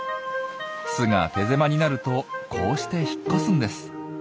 巣が手狭になるとこうして引っ越すんです。